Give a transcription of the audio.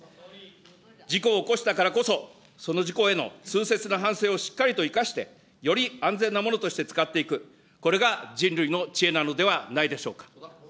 事故を起こしたからこそ、その事故への痛切な反省をしっかりと生かして、より安全なものとして使っていく、これが人類の知恵なのではないでしょうか。